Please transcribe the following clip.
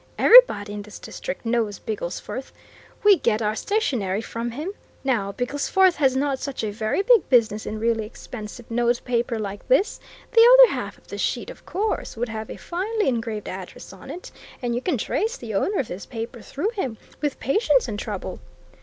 '_ Everybody in this district knows Bigglesforth we get our stationery from him. Now, Bigglesforth has not such a very big business in really expensive notepaper like this the other half of the sheet, of course, would have a finely engraved address on it and you can trace the owner of this paper through him, with patience and trouble.